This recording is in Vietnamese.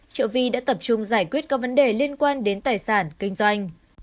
trợ vi đã tập trung giải quyết các vấn đề liên quan đến tài sản kinh doanh